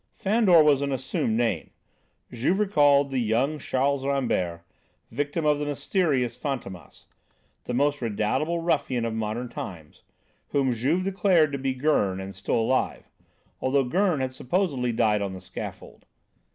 Fandor was an assumed name. Juve recalled the young Charles Rambert, victim of the mysterious Fantômas, the most redoubtable ruffian of modern times, whom Juve declared to be Gurn and still alive, although Gurn had supposedly died on the scaffold.